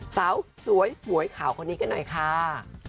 สาวสวยสวยขาวคนนี้กันหน่อยค่ะ